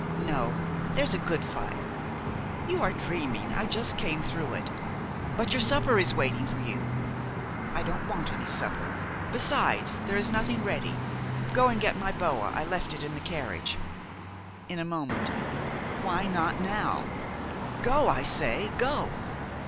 "No, there's a good fire." "You are dreaming! I just came through it." "But your supper is waiting for you." "I don't want any supper; besides, there is nothing ready. Go and get my boa, I left it in the carriage." "In a moment." "Why not now? Go, I say, go!"